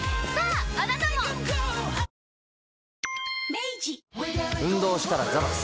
明治運動したらザバス。